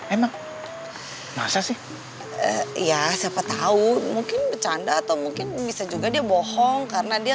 emang masa sih ya siapa tahu mungkin bercanda atau mungkin bisa juga dia bohong karena dia